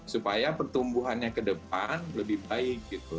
supaya pertumbuhannya ke depan lebih baik gitu